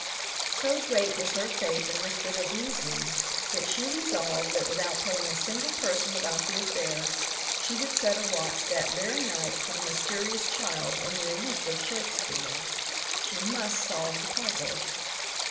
So great was her faith in this bit of reasoning that she resolved that, without telling a single person about the affair, she would set a watch that very night for the mysterious child and the elusive Shakespeare. She must solve the puzzle.